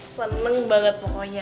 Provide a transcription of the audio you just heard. seneng banget pokoknya